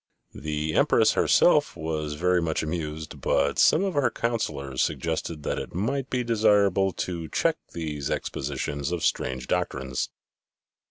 The Empress herself was very much amused, but some of her councillors suggested that it might be desirable to check these expositions of strange doctrines.